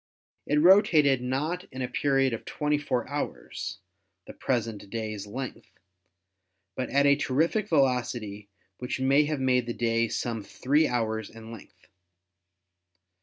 It rotated not in a period of 24 hours, the present day's length, but at a terrific velocity which may have made the day some three hours in length.